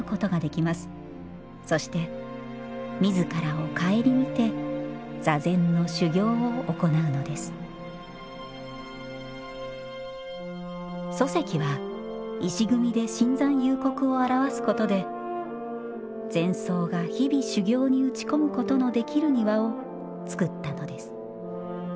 そして自らを省みて座禅の修行を行うのです疎石は石組みで深山幽谷を表すことで禅僧が日々修行に打ち込むことのできる庭をつくったのです